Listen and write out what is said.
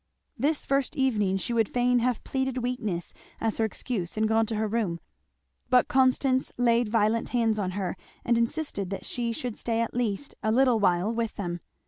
This first evening she would fain have pleaded weakness as her excuse and gone to her room, but Constance laid violent hands on her and insisted that she should stay at least a little while with them.